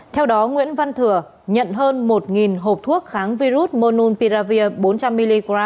theo đó nguyễn văn thừa nhận hơn một hộp thuốc kháng virus mononpiravir bốn trăm linh mg